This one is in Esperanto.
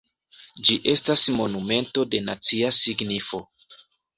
Ĝi estas monumento de nacia signifo.